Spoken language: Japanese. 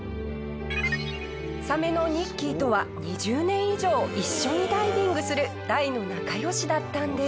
サメのニッキーとは２０年以上一緒にダイビングする大の仲良しだったんです。